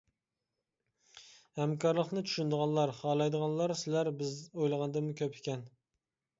ھەمكارلىقنى چۈشىنىدىغانلار، خالايدىغانلار سىلەر-بىز ئويلىغاندىنمۇ كۆپ ئىكەن.